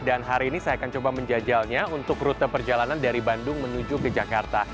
dan hari ini saya akan menjajalnya untuk rute perjalanan dari bandung menuju ke jakarta